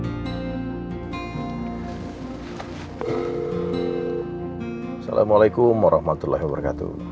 assalamualaikum warahmatullahi wabarakatuh